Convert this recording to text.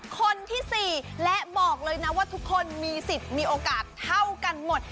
คนที่๔และบอกเลยนะว่าทุกคนมีสิทธิ์มีโอกาสเท่ากันหมด